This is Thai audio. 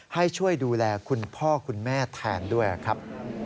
ให้ช่วยดูแลคุณพ่อคุณแม่แทนด้วยครับ